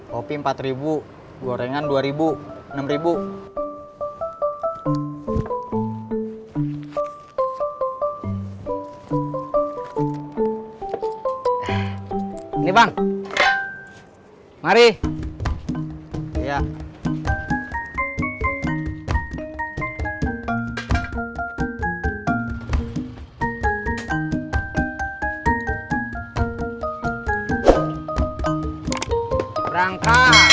kopi rp empat gorengan rp dua rp enam